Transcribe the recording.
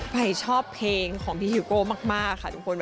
ไฟชอบเพลงของพี่ฮิวโก้มากค่ะทุกคน